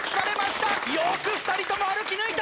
よく２人とも歩き抜いた！